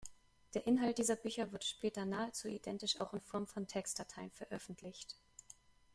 Der Inhalt dieser Bücher wurde später nahezu identisch auch in Form von Textdateien veröffentlicht.